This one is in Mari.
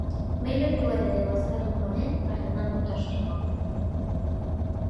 Ме Людмила дене, ласкан мутланен, артанам опташ тӱҥална.